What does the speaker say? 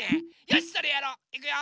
よしそれやろう！いくよ！